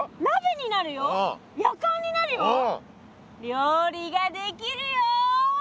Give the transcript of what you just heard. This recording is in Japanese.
料理ができるよ！